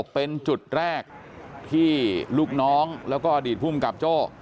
เป็นจุดแรกที่ลูกน้องแล้วก็อดีตภูมิกับโจ้